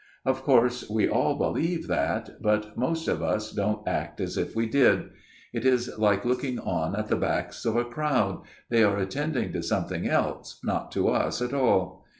Of course we all believe that, but most of us don't act as if we did. ... It is like looking on at the backs of a crowd ; they are attending to something else, not to us at all.